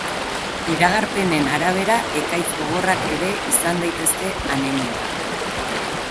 Iragarpenen arabera ekaitz gogorrak ere izan daitezke han-hemenka.